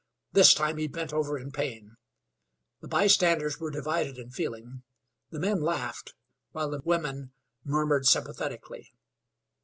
This time he bent over in pain. The bystanders were divided in feeling; the men laughed, while the women murmured sympathetically.